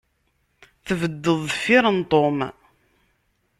Tbeddeḍ deffir n Tom.